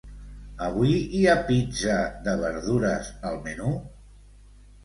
Avui hi ha pizza de verdures al menú?